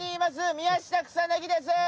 宮下草薙です